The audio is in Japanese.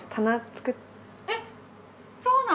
えっそうなの？